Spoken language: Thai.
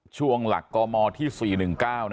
สวัสดีครับทุกคน